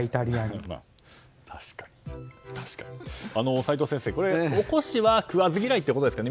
齋藤先生、おこしは食わず嫌いということですかね。